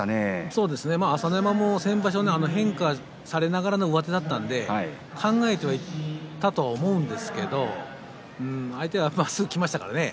そうですね、朝乃山も先場所変化されながらの上手だったので考えていったと思うんですけれど相手がまっすぐいきましたからね。